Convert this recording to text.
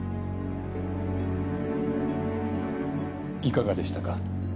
いかがでしたか？